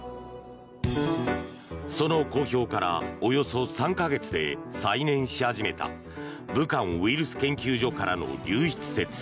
その公表からおよそ３か月で再燃し始めた武漢ウイルス研究所からの流出説。